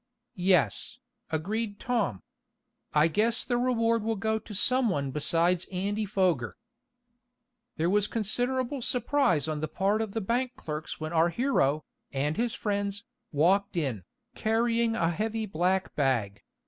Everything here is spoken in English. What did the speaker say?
"Yes," agreed Tom. "I guess the reward will go to some one besides Andy Foger." There was considerable surprise on the part of the bank clerks when our hero, and his friends, walked in, carrying a heavy black bag.